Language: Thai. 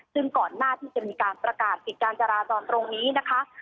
ซึ่งก่อนหน้าที่จะมีการประกาศปิดการจราจรตรงนี้นะคะ